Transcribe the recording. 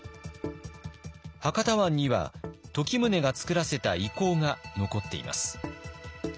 博多湾には時宗がつくらせた遺構が残っています。